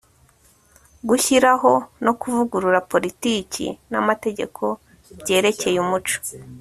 gushyiraho no kuvugurura politiki n'amategeko byerekeye umuco